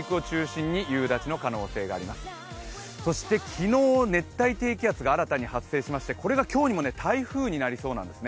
昨日、熱帯低気圧が新たに発生しましてこれが今日にも台風になりそうなんです。